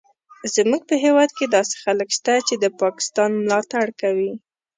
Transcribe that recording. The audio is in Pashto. زموږ په هیواد کې داسې خلک شته چې د پاکستان ملاتړ کوي